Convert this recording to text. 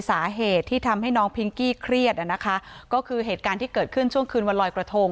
สาเหตุที่ทำให้น้องพิงกี้เครียดนะคะก็คือเหตุการณ์ที่เกิดขึ้นช่วงคืนวันลอยกระทง